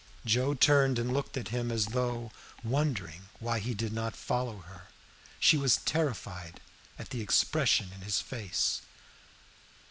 Joe turned and looked at him, as though wondering why he did not follow her. She was terrified at the expression in his face.